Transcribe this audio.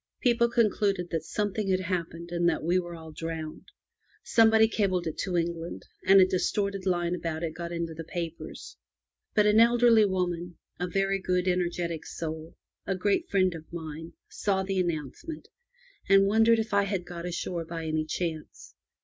People concluded that "something had happened, and that we were all drowned. Somebody cabled it to England, and a distorted line about it got into the papers. But an elderly lady — a very good, energetic soul — a great friend of mine, saw the announcement, and wondered if I had got ashore by any chance.